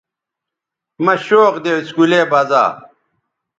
مہ شوق دے اسکولے بزا